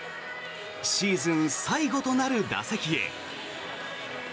シーズン最後となる打席へ。